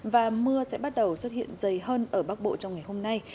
và mưa sẽ bắt đầu xuất hiện dày hơn ở bắc bộ trong ngày hôm nay